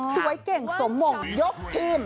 สวยเก่งสมมุมยกทีม